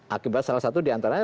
akibat salah satu diantaranya